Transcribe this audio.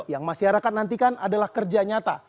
yang masyarakat nantikan adalah kerja nyata